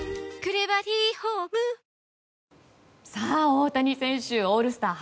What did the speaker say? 大谷選手オールスター